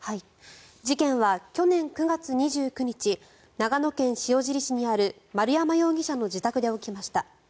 事件は去年９月２９日長野県塩尻市にある丸山容疑者の自宅で起きました。